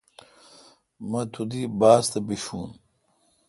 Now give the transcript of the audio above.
م تو دی باس تہ بیشون۔